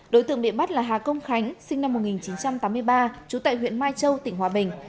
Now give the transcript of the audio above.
đối tượng bị bắt là hà công khánh sinh năm một nghìn chín trăm tám mươi ba trú tại huyện mai châu tỉnh hòa bình